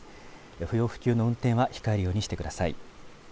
不要不急の運転は控えるようにしてください。